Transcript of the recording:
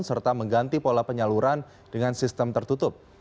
serta mengganti pola penyaluran dengan sistem tertutup